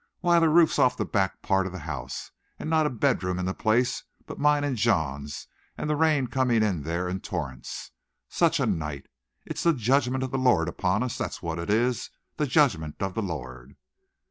Why, the roof's off the back part of the house, and not a bedroom in the place but mine and John's, and the rain coming in there in torrents. Such a night! It's the judgment of the Lord upon us! That's what it is the judgment of the Lord!"